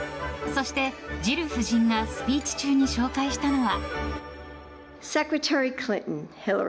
そして、ジル夫人がスピーチ中に紹介したのは。